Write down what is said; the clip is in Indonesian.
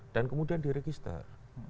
dan kemudian diregister